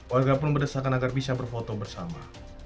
warga pun berdesakan agar bisa berfoto bersama